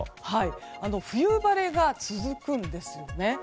冬晴れが続くんですよね。